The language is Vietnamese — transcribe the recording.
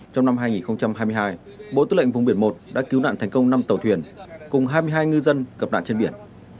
trong năm hai nghìn hai mươi hai bộ tư lệnh vùng biển một đã cứu nạn thành công năm tàu thuyền cùng hai mươi hai ngư dân gặp nạn trên biển